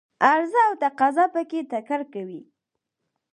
عرضه او تقاضا په کې ټکر کوي.